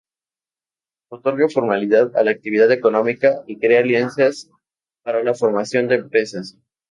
Otorga formalidad a la actividad económica y crea alianzas para la formación de empresas.